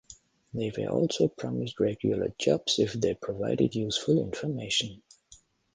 They were also promised regular jobs if they provided useful information.